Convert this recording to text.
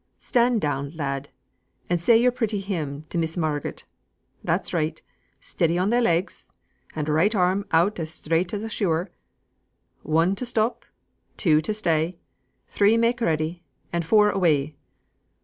Stand down, lad, and say yo'r pretty hymn to Miss Marget. That's right; steady on thy legs, and right arm out as straight as a skewer. One to stop, two to stay, three mak' ready, and four away!"